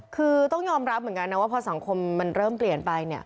คือต้องยอมรับเหมือนกันนะว่าพอสังคมมันเริ่มเปลี่ยนไปเนี่ย